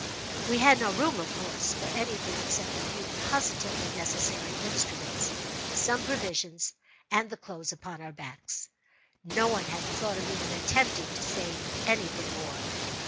We had no room, of course, for any thing except a few positively necessary instruments, some provisions, and the clothes upon our backs. No one had thought of even attempting to save any thing more.